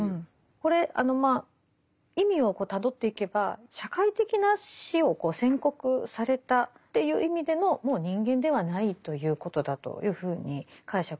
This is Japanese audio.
これまあ意味をたどっていけば社会的な死を宣告されたという意味でのもう人間ではないということだというふうに解釈できます。